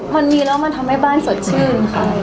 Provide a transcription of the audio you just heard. มันมีแล้วมันทำให้บ้านสดชื่นค่ะ